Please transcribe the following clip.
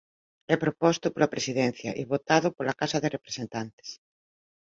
É proposto pola presidencia e votado pola Casa de Representantes.